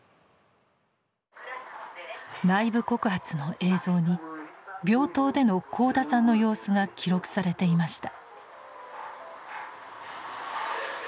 内部告発の映像に病棟での幸田さんの様子が記録されていました。